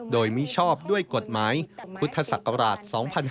โดยมิชอบด้วยกฎหมายพุทธศักราช๒๕๕๙